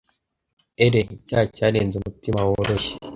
Ere icyaha cyarenze umutima woroshye